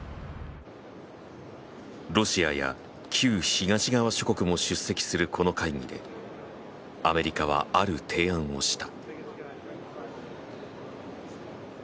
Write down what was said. ロシアや旧東側諸国も出席するこの会議でアメリカはある提案をした。